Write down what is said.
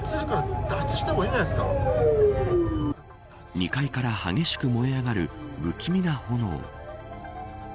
２階から激しく燃え上がる不気味な炎。